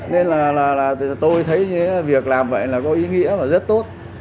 nên là tôi thấy việc làm vậy là có ý nghĩa và rất tốt